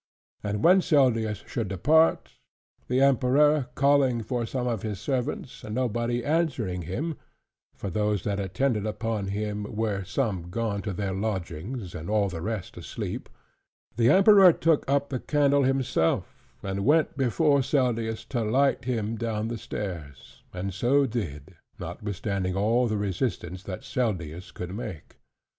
And when Seldius should depart, the Emperor calling for some of his servants, and nobody answering him (for those that attended upon him, were some gone to their lodgings, and all the rest asleep), the Emperor took up the candle himself, and went before Seldius to light him down the stairs; and so did, notwithstanding all the resistance that Seldius could make.